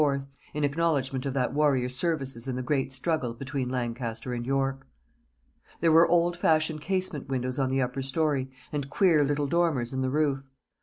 in acknowledgment of that warrior's services in the great struggle between Lancaster and York. There were old fashioned casement windows on the upper story, and queer little dormers in the roof.